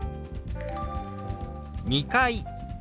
「２階」。